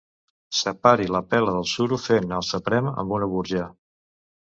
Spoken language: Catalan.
Separi la pela del suro fent alçaprem amb una burja.